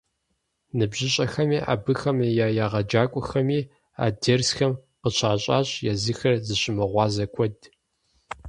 НыбжьыщӀэхэми абыхэм я егъэджакӀуэхэми а дерсхэм къыщащӀащ езыхэр зыщымыгъуазэ куэд.